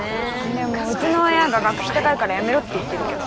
でもうちの親が「学費高いからやめろ」って言ってるけど。